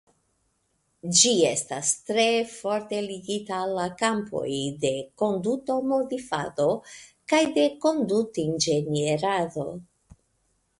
Ĝi estas tre forte ligita al la kampoj de kondutomodifado kaj de kondutinĝenierado.